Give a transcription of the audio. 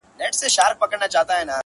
عرب وویل غنم کلي ته وړمه!!